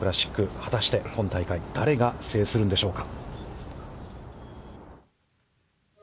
果たして今大会、誰が制するんでしょうか。